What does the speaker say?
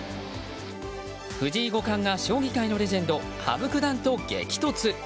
藤井五冠が将棋界のレジェンド羽生九段と激突。